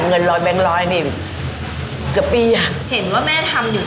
เอาเงินให้คุณแม่